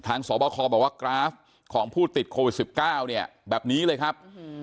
สอบคอบอกว่ากราฟของผู้ติดโควิด๑๙เนี่ยแบบนี้เลยครับ